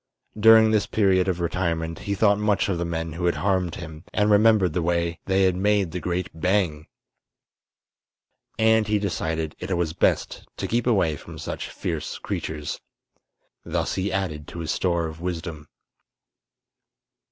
During this period of retirement he thought much of the men who had harmed him, and remembered the way they had made the great "bang!" And he decided it was best to keep away from such fierce creatures. Thus he added to his store of wisdom.